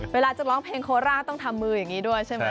เวลาจะร้องเพลงโคราชต้องทำมืออย่างนี้ด้วยใช่ไหม